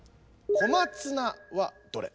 小松菜はどれ？